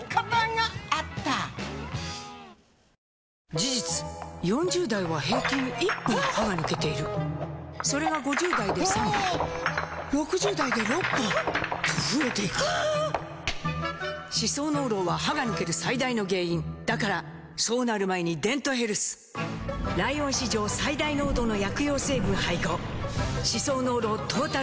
事実４０代は平均１本歯が抜けているそれが５０代で３本６０代で６本と増えていく歯槽膿漏は歯が抜ける最大の原因だからそうなる前に「デントヘルス」ライオン史上最大濃度の薬用成分配合歯槽膿漏トータルケア！